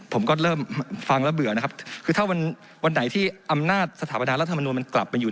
ผมจะลกออกให้หมดเลย